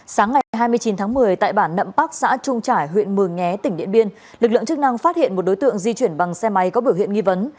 sáng ngày hai mươi chín tháng một mươi tại bản nậm park xã trung trải huyện mường nhé tỉnh điện biên lực lượng chức năng phát hiện một đối tượng di chuyển bằng xe máy có biểu hiện nghi vấn